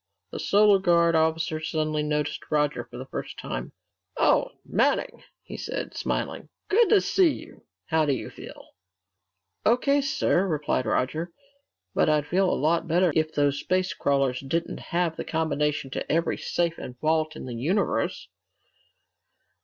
The Solar Guard officer suddenly noticed Roger for the first time. "Oh, Manning!" he said, smiling. "Good to see you. How do you feel?" "O.K., sir," replied Roger. "But I'd feel a lot better if those space crawlers didn't have the combination to every safe and vault in the universe!"